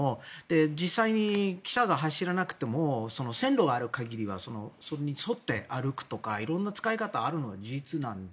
実際に汽車が走らなくても線路がある限りそれに沿って歩くとか色んな使い方があるのは事実なので。